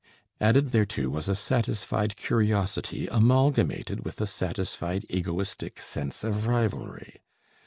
Added thereto was a satisfied curiosity amalgamated with a satisfied egoistic sense of rivalry.